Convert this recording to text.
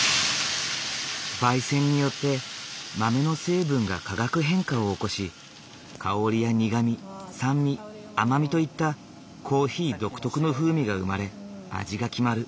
焙煎によって豆の成分が化学変化を起こし香りや苦み酸味甘みといったコーヒー独特の風味が生まれ味が決まる。